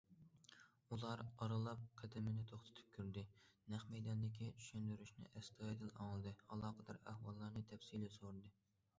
ئۇلار ئارىلاپ قەدىمىنى توختىتىپ كۆردى، نەق مەيداندىكى چۈشەندۈرۈشنى ئەستايىدىل ئاڭلىدى، ئالاقىدار ئەھۋاللارنى تەپسىلىي سورىدى.